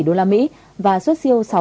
đô la mỹ và xuất siêu